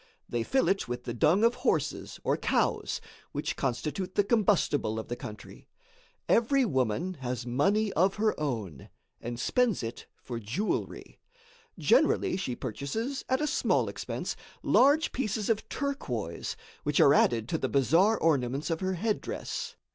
They fill it with the dung of horses or cows, which constitute the combustible of the country. Every woman has money of her own, and spends it for jewelry. Generally she purchases, at a small expense, large pieces of turquoise, which are added to the bizarre ornaments of her headdress.